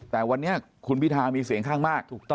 แต่วันนี้คุณพิทามีเสียงข้างมาก